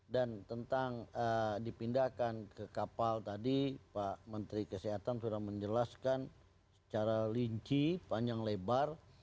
dan tentang dipindahkan ke kapal tadi pak menteri kesehatan sudah menjelaskan secara linci panjang lebar